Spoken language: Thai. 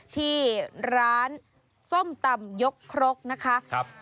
ที่ร้านส้มตำยกครกนะคะ